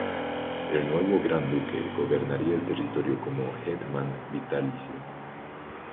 El nuevo gran duque gobernaría el territorio como hetman vitalicio.